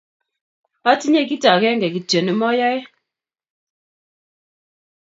atinye kito agenge kityo ne mo ayei